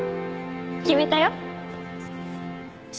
決めたよ。